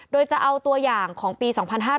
โดยจะเอาตัวอย่างของปี๒๕๕๙